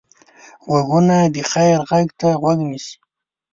غوږونه د خیر غږ ته غوږ نیسي